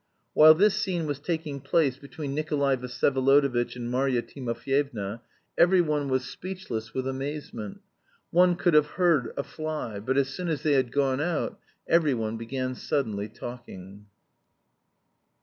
While this scene was taking place between Nikolay Vsyevolodovitch and Marya Timofyevna every one was speechless with amazement; one could have heard a fly; but as soon as they had gone out, every one began suddenly talking.